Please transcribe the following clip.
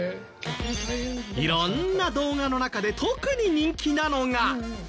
色んな動画の中で特に人気なのが。